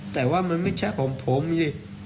แต่ว่ามันไม่ใช่ของผมนี่